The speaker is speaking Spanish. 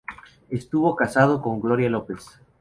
Estuvo casado con Gloria López.